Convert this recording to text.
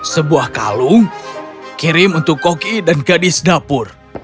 sebuah kalung kirim untuk koki dan gadis dapur